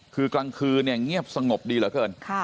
คือกลางคืนเนี่ยเงียบสงบดีเหลือเกิน